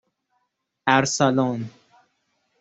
اَرسلان